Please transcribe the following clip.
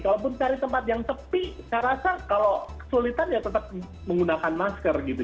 kalaupun cari tempat yang sepi saya rasa kalau kesulitan ya tetap menggunakan masker gitu